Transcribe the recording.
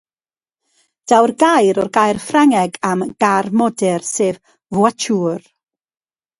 Daw'r gair o'r gair Ffrangeg am “gar modur”, sef “voiture”.